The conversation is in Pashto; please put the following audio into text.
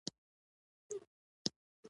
د هغه د هرکلي لپاره بايد مراسم ونه نيول شي.